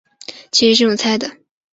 其实是用猜的